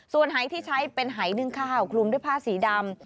ส่วนหายที่ใช้เป็นหายนึ่งข้าวคลุมด้วยผ้าสีดำ